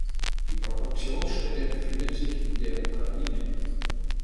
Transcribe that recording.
Die Produktionsstätte befindet sich in der Ukraine.